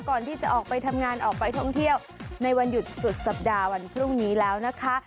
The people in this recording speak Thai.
ก่อนที่จะออกไปทำงานออกไปท่องเที่ยวในวันหยุดสุดสัปดาห์วันพรุ่งนี้แล้วนะคะ